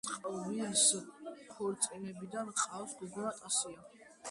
წყვილს ქორწინებიდან ჰყავს გოგონა ტაისია.